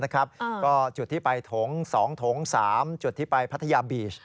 ก็จุดที่ไปถง๒ถง๓จุดที่ไปพัทยาบีช